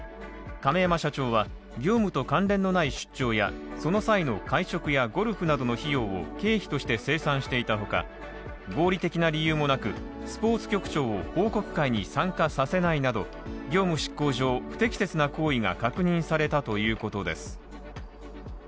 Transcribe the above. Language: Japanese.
亀山社長は、業務と関連のない出張やその際の会食やゴルフなどの費用を経費として精算していたほか合理的な理由もなく、スポーツ局長を報告会に参加させないなど業務執行上、不適切な行為が確認されたということです。